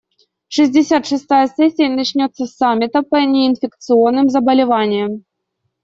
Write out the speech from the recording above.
Шестьдесят шестая сессия начнется с саммита по неинфекционным заболеваниям.